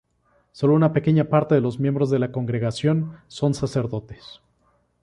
Solo una pequeña parte de los miembros de la congregación son sacerdotes.